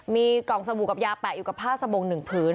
มีกล่องสบู่กับยาแปะอยู่กับผ้าสบง๑พื้น